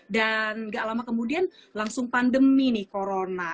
dan gak lama kemudian langsung pandemi nih corona